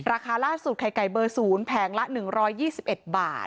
ราคาล่าสุดไข่ไก่เบอร์๐แผงละ๑๒๑บาท